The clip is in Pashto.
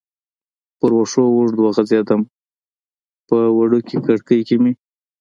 پر وښو اوږد وغځېدم، په وړوکې کړکۍ کې مې.